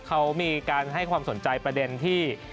เขามีการให้ความสนใจประเด็นที่